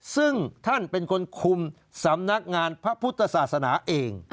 ซึ่งท่านเป็นคนคุมสำนักงานพระพุทธศาสนาเอง